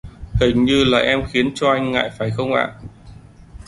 Hình như là em khiến cho anh ngại phải không ạ